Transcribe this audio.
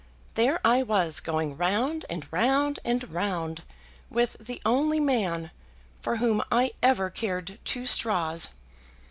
There I was, going round and round and round with the only man for whom I ever cared two straws.